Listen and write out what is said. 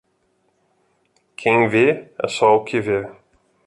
Quem vê é só o que vê